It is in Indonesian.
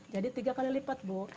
jadi tiga kali lipat bu